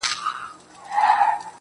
هغي نجلۍ چي زما له روحه به یې ساه شړله.